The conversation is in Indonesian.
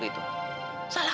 kamu punya hati benar